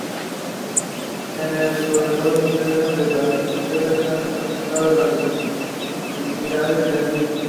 En el corredor interno de la izquierda están representadas las divinidades del Nilo.